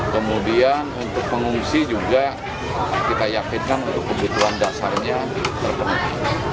kemudian untuk pengungsi juga kita yakinkan untuk kebutuhan dasarnya terpenuhi